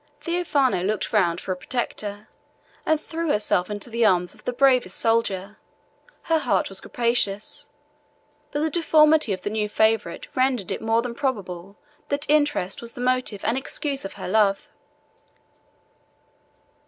Theophano looked around for a protector, and threw herself into the arms of the bravest soldier; her heart was capacious; but the deformity of the new favorite rendered it more than probable that interest was the motive and excuse of her love.